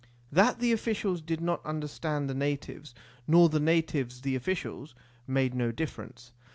That the officials did not understand the natives, nor the natives the officials, made no difference.